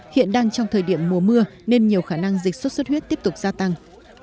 hiện đang trong thời điểm mùa mưa nên nhiều khả năng dịch sốt xuất huyết tiếp tục gia tăng